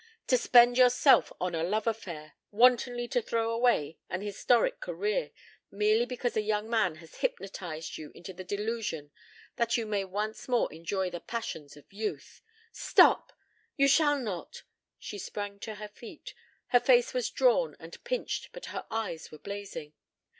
To spend yourself on a love affair, wantonly to throw away an historic career, merely because a young man has hypnotized you into the delusion that you may once more enjoy the passions of youth " "Stop! You shall not!" She had sprung to her feet. Her face was drawn and pinched but her eyes were blazing.